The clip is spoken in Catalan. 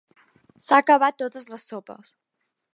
S'ha acabat totes les sopes.